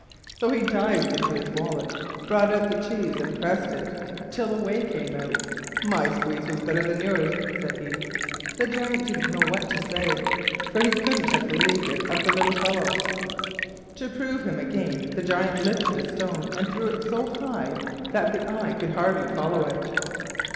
So he dived into his wallet, brought out the cheese, and pressed it till the whey ran out. "My squeeze was better than yours," said he. The Giant didn't know what to say, for he couldn't have believed it of the little fellow. To prove him again, the Giant lifted a stone and threw it so high that the eye could hardly follow it.